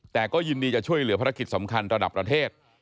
แต่ก็ยินดีจะช่วยเหลือภารกิจสำคัญระดับประเทศ